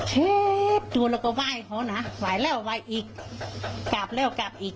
เชฟชวนแล้วก็ไหว้เขานะไหวแล้วไหวอีกกลับแล้วกลับอีก